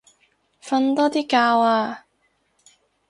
瞓多啲覺啊